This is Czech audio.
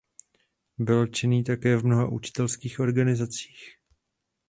Byl činný také v mnoha učitelských organizacích.